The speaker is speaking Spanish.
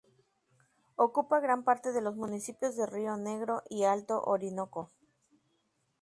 Ocupa gran parte de los municipios de Río Negro y Alto Orinoco.